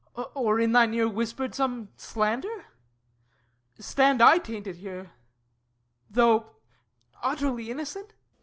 Or in thine ear Whispered some slander? Stand I tainted here, Though utterly innocent?